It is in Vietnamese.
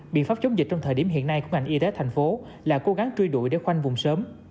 biện pháp chống dịch trong thời điểm hiện nay của ngành y tế thành phố là cố gắng truy đuổi để khoanh vùng sớm